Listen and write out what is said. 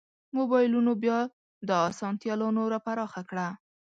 مبایلونو بیا دا اسانتیا لا نوره پراخه کړه.